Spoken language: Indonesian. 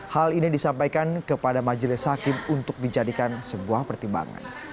hal ini disampaikan kepada majelis hakim untuk dijadikan sebuah pertimbangan